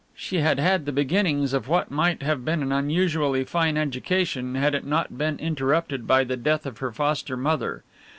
She had had the beginnings of what might have been an unusually fine education, had it not been interrupted by the death of her foster mother.